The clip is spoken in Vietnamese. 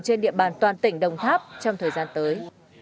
trên địa bàn toàn tỉnh đồng tháp trong thời gian tới